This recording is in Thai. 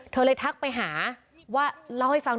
เธอเลยทักไปหาว่า